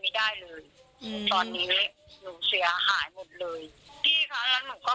ไม่ได้ว่าจะไปต่อเพราะว่าหนูเป็นคนที่แบบว่าทำงาน